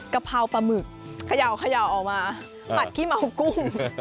กะเพราปลาหมึกเขย่าออกมาผัดขี้เมากุ้ง